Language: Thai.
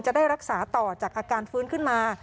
จะได้รักษาต่อจากอาการฟื้นขึ้นมา